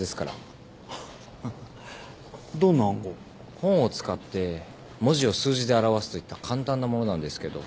本を使って文字を数字で表すといった簡単なものなんですけど。